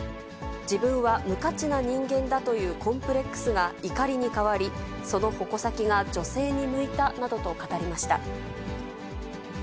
自分は無価値な人間だというコンプレックスが怒りに変わり、その矛先が女性に向いたなどと語りました。